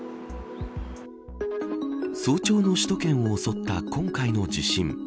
早朝の首都圏を襲った今回の地震。